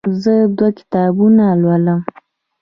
زه دوه کتابونه لولم.